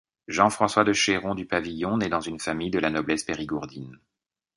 Jean-François du Cheyron du Pavillon naît dans une famille de la noblesse périgourdine.